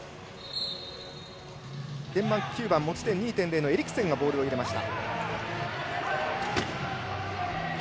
デンマーク９番持ち点２．０のエリクセンがボールを入れました。